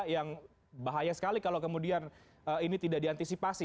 yang bahaya sekali kalau kemudian ini tidak diantisipasi